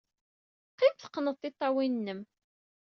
Qqim, teqqned tiṭṭawin-nnem.